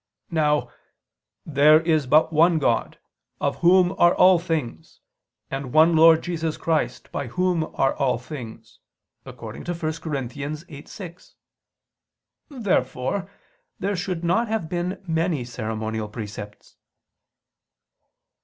Now "there is but one God, of Whom are all things ... and one Lord Jesus Christ, by Whom are all things" (1 Cor. 8:6). Therefore there should not have been many ceremonial precepts.